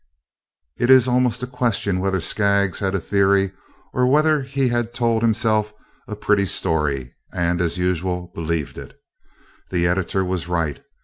It is almost a question whether Skaggs had a theory or whether he had told himself a pretty story and, as usual, believed it. The editor was right.